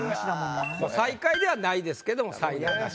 最下位ではないですけども才能ナシ。